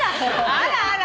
あらあら。